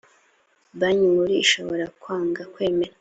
banki nkuru ishobora kwanga kwemera